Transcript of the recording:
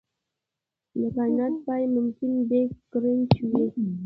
د کائنات پای ممکن بیګ کرنچ وي.